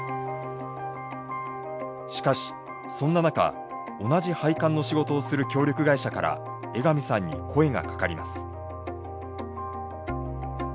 しかしそんな中同じ配管の仕事をする協力会社から江上さんに声がかかります。